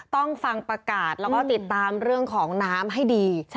ต้องฟังประกาศแล้วก็ติดตามเรื่องของน้ำให้ดี